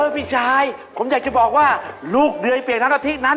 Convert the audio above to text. พี่ชายผมอยากจะบอกว่าลูกเหนื่อยเปลี่ยนน้ำกะทินั้น